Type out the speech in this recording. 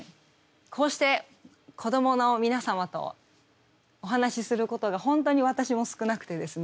こうして子どもの皆様とお話しすることが本当に私も少なくてですね。